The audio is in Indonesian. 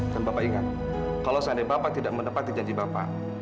dan bapak ingat kalau seandainya bapak tidak menepati janji bapak